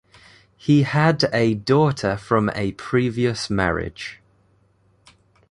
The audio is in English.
He had a daughter from a previous marriage.